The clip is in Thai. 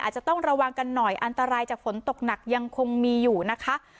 อาจจะต้องระวังกันหน่อยอันตรายจากฝนตกหนักยังคงมีอยู่นะคะ